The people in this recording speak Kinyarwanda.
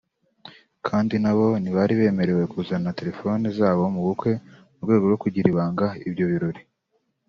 Kandi na bo ntibari bemerewe kuzana terefone zabo mu bukwe mu rwego rwo kugira ibanga ibyo birori